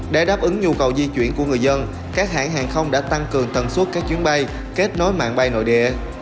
để đáp ứng nhu cầu di chuyển của người dân các hãng hàng không đã tăng cường tần suất các chuyến bay kết nối mạng bay nội địa